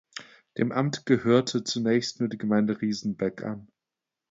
Dem Amt gehörte zunächst nur die Gemeinde Riesenbeck an.